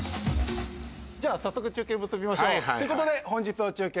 じゃあ早速中継結びましょう。ということで本日の中継